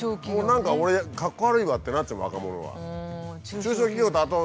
何か俺かっこ悪いわってなっちゃうもん若者は。